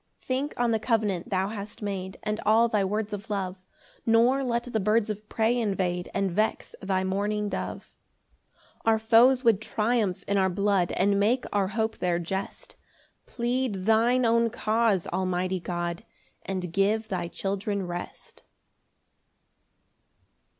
16 Think on the covenant thou hast made, And all thy words of love; Nor let the birds of prey invade And vex thy mourning dove. 17 Our foes would triumph in our blood, And make our hope their jest; Plead thy own cause, almighty God! And give thy children rest.